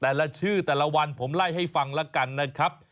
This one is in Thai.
แต่ละชื่อแต่ละวันผมไล่ให้ฟังแล้วกันนะครับ